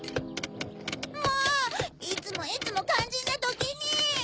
もういつもいつもかんじんなときに！